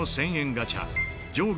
ガチャ上下